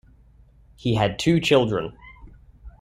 He had two children.